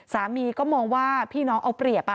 สามีก็มองว่าพี่น้องเอาเปรียบ